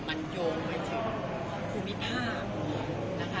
มันโยงไว้ถึงภูมิภาพ